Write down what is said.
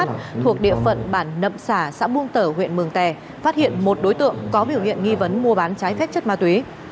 thuộc địa phận bản nậm sả xã buông tở huyện mường tè phát hiện một đối tượng có biểu hiện nghi vấn mua bán trái phép chất ma túy